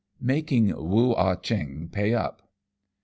MAKING WOO AH CHEONG PAY UP.